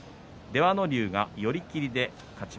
出羽ノ龍、寄り切りの勝ち